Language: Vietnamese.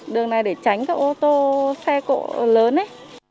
đường này để tránh các ô tô xe cộ lớn ấy